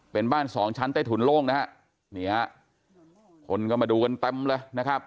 เป็นบ้านสองชั้นใต้ถุนโล่งนะฮะนี่ฮะคนก็มาดูกันเต็มเลยนะครับ